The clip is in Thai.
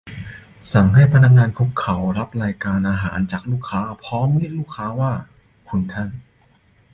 สั่งให้พนักงานคุกเข่ารับรายการอาหารจากลูกค้าพร้อมเรียกลูกค้าว่า "คุณท่าน" ?